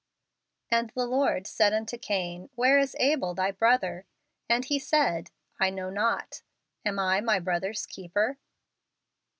"And the Lord said unto Cain, IMiere is Abel thy brother? And he said, I know not: am I my brother's keeper?